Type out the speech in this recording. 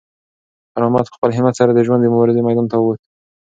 خیر محمد په خپل همت سره د ژوند د مبارزې میدان ته وووت.